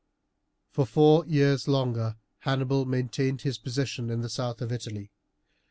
For four years longer Hannibal maintained his position in the south of Italy.